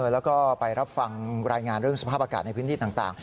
แล้วก็ไปรับฟังรายงานเรื่องสภาพอากาศในพื้นที่ต่าง